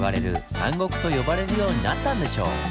「南国」と呼ばれるようになったんでしょう？